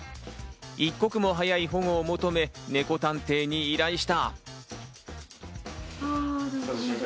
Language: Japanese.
一刻も早い保護を求め、ネコ探偵に依頼した。